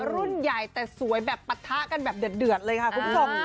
รุ่นใหญ่แต่สวยแบบปะทะกันแบบเดือดเลยค่ะคุณผู้ชม